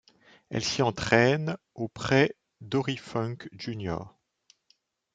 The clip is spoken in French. Elle s'y entraîne auprès Dory Funk, Jr.